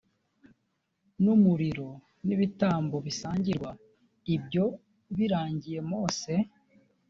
n umuriro n ibitambo bisangirwa ibyo birangiye mose